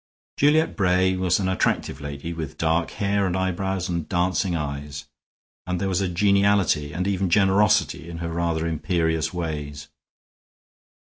Juliet Bray was an attractive lady with dark hair and eyebrows and dancing eyes, and there was a geniality and even generosity in her rather imperious ways.